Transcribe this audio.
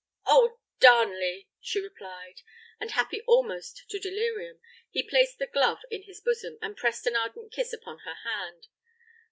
"Oh, Darnley!" she replied; and happy almost to delirium, he placed the glove in his bosom, and pressed an ardent kiss upon her hand.